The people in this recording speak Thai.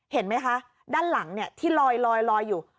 เห็นไหมคะด้านหลังที่ลอยอยู่